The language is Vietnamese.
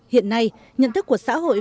hiện nay nhận thức của xã hội